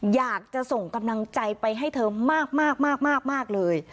อยากจะส่งกำลังใจไปให้เธอมากเลย